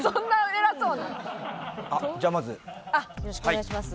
よろしくお願いします。